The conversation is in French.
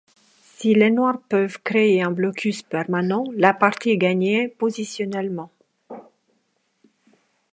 Si les Noirs peuvent créer un blocus permanent, la partie est gagnée positionnellement.